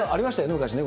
昔ね。